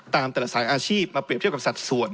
แต่ละสายอาชีพมาเปรียบเทียบกับสัดส่วน